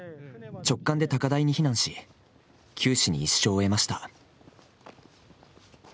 直感で高台に避難し、九死に一生を得ました。